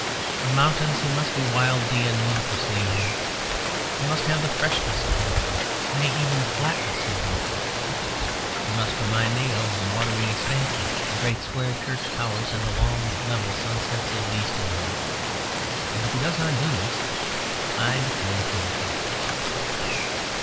Of mountains he must be wildly and ludicrously ignorant. He must have the freshness of Norfolk; nay, even the flatness of Norfolk. He must remind me of the watery expanses, the great square church towers and the long level sunsets of East England. If he does not do this, I decline to know him.